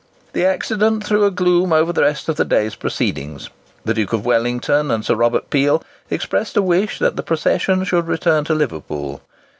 The accident threw a gloom over the rest of the day's proceedings. The Duke of Wellington and Sir Robert Peel expressed a wish that the procession should return to Liverpool.